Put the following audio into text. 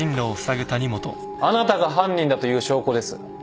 あなたが犯人だという証拠です。